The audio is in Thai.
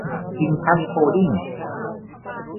อินทัช โฮลดิ้งส์